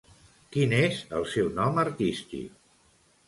Quin és el seu nom artístic?